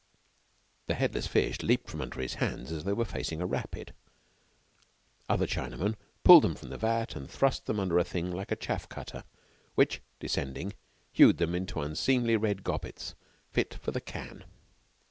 The headless fish leaped from under his hands as though they were facing a rapid. Other Chinamen pulled them from the vat and thrust them under a thing like a chaff cutter, which, descending, hewed them into unseemly red gobbets fit for the can.